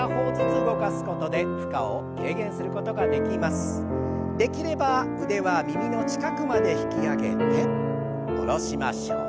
できれば腕は耳の近くまで引き上げて下ろしましょう。